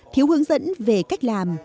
thiếu hướng dẫn về cách làm